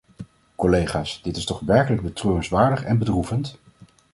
Collega's, dit is toch werkelijk betreurenswaardig en bedroevend!